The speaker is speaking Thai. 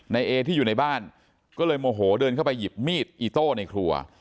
เอที่อยู่ในบ้านก็เลยโมโหเดินเข้าไปหยิบมีดอิโต้ในครัว